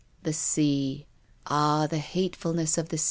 " The sea — ah, the hatefulness of the